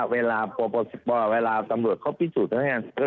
เวลาสำรวจเขาพิสูจน์